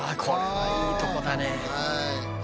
これはいいとこだね。